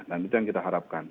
dan itu yang kita harapkan